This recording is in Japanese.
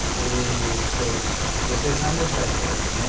女性、３０歳の方ですね。